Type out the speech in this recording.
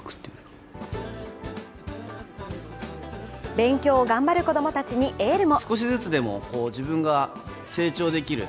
勉強を頑張る子供たちにエールも。